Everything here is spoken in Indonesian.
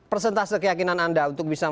persentase keyakinan anda untuk bisa